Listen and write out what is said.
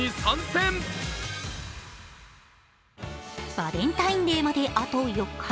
バレンタインデーまで、あと４日。